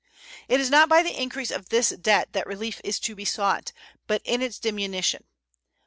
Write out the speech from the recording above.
It is not by the increase of this debt that relief is to be sought, but in its diminution.